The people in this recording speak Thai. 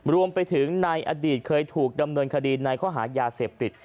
รวมไปถึงในอดีตเคยถูกดำเนินคดีในข้อหายาเสพติด